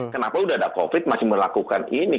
kenapa sudah ada covid masih melakukan ini